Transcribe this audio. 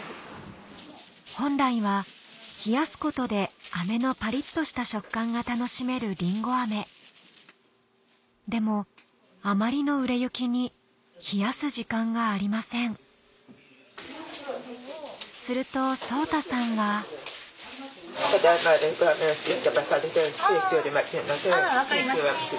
本来は冷やすことで飴のパリっとした食感が楽しめるりんご飴でもあまりの売れ行きに冷やす時間がありませんすると奏汰さんはあぁ分かりました。